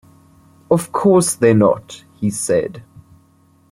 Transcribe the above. “Of course they’re not,” he said.